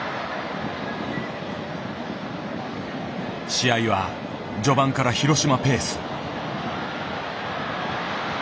試合は序盤から広島ペース。